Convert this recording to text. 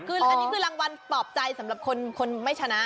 คืออันนี้คือรางวัลปลอบใจสำหรับคนไม่ชนะ